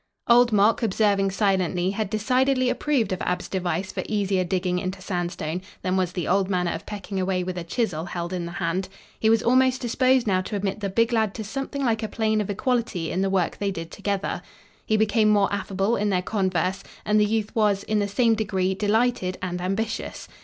Old Mok, observing silently, had decidedly approved of Ab's device for easier digging into sandstone than was the old manner of pecking away with a chisel held in the hand. He was almost disposed now to admit the big lad to something like a plane of equality in the work they did together. He became more affable in their converse, and the youth was, in the same degree, delighted and ambitious.